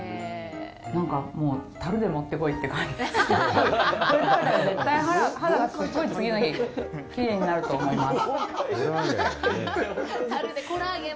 なんか、もう樽で持ってこいって感じで、すっごい、これ、食べたら、絶対、肌がすっごい次の日、きれいになると思います。